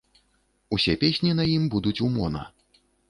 Усе песні на ім будуць у мона.